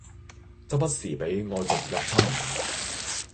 周不時俾外族入侵